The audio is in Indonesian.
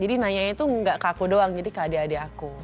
jadi nanya itu gak ke aku doang jadi ke adik adik aku